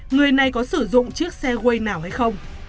người này có sử dụng chiếc xe waze nào hay không